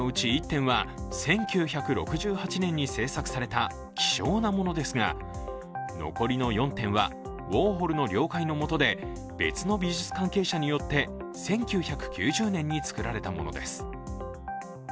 １点は１９６８年に製作された希少なものですが残りの４点はウォーホルの了解のもとで別の美術関係者によって１９９０年に作られたものです。